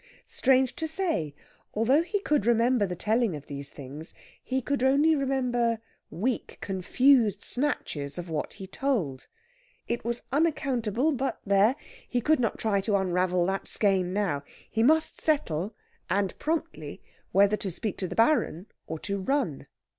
Strange to say, although he could remember the telling of these things, he could only remember weak, confused snatches of what he told. It was unaccountable but there! he could not try to unravel that skein now. He must settle, and promptly, whether to speak to the Baron or to run.